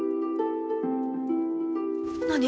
何？